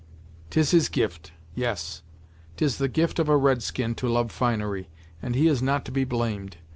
"'Tis his gift! yes, 'tis the gift of a red skin to love finery, and he is not to be blamed.